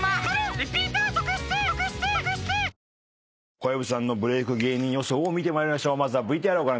小籔さんのブレーク芸人予想を見てまいりましょう。